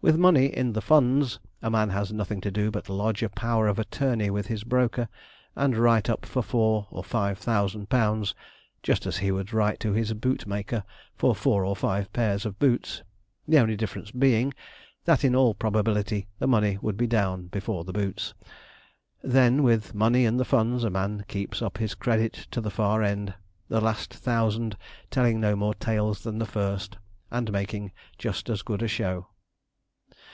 With money in the funds, a man has nothing to do but lodge a power of attorney with his broker, and write up for four or five thousand pounds, just as he would write to his bootmaker for four or five pairs of boots, the only difference being, that in all probability the money would be down before the boots. Then, with money in the funds, a man keeps up his credit to the far end the last thousand telling no more tales than the first, and making just as good a show.